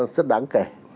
rất đáng kể